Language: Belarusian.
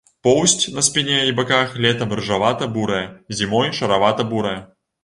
Поўсць на спіне і баках летам рыжавата-бурая, зімой шаравата-бурая.